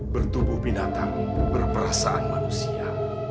bertubuh binatang berperasaan manusia